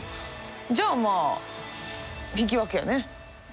じゃあまあ引き分けやね。